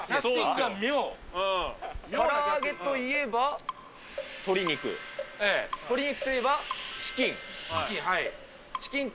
から揚げといえば鶏肉、鶏肉といえば、チキン。